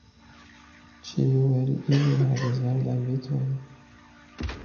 Ĉiu el ili havis verdajn vitrojn.